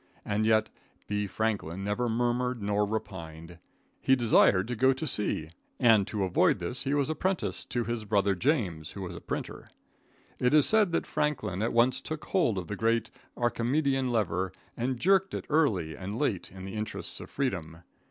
And yet B. Franklin never murmured or repined. He desired to go to sea, and to avoid this he was apprenticed to his brother James, who was a printer. It is said that Franklin at once took hold of the great Archimedean lever, and jerked it early and late in the interests of freedom.